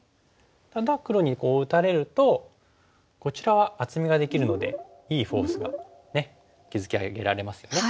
ただ黒にこう打たれるとこちらは厚みができるのでいいフォースが築き上げられますよね。